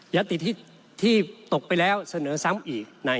ยัตติที่ตกไปแล้วเสนอซ้ำอีก